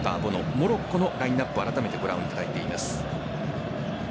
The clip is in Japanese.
モロッコのラインナップをあらためてご覧いただいています。